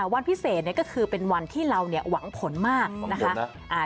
วันพิเศษเนี่ยก็คือเป็นวันที่เราเนี่ยหวังผลมากนะคะ